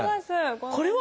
これは。